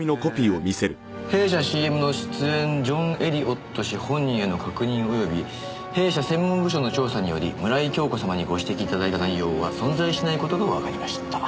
えー「弊社ＣＭの出演ジョン・エリオット氏本人への確認および弊社専門部署の調査により村井今日子様にご指摘いただいた内容は存在しないことがわかりました」。